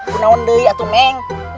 buna wendui atu men